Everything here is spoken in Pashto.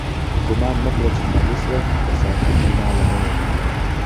گومان مکړه چی خالی شوه، د ساقی مینا له میو